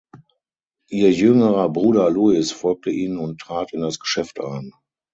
Ihr jüngerer Bruder Luis folgte ihnen und trat in das Geschäft ein.